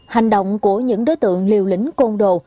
hành động của những đối tượng liều lĩnh côn đồ